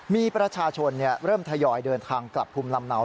มีประชาชนเริ่มทยอยเดินทางกลับภูมิลำเนา